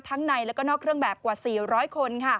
ทั้งในและนอกเครื่องแบบกว่า๔๐๐คน